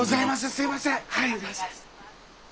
すいません！